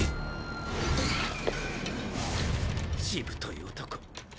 しぶとい男。